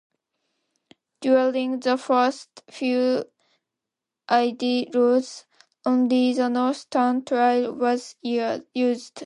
During the first few Iditarods only the northern trail was used.